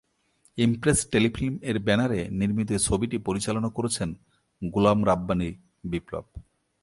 Impress Telefilm এর ব্যানারে নির্মিত এ ছবিটি পরিচালনা করেছেন গোলাম রাব্বানী বিপ্লব।